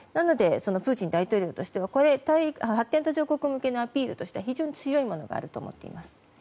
プーチン大統領としては発展途上国向けのアピールとして非常に強いものがあると思います。